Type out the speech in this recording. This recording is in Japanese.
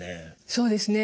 そうですね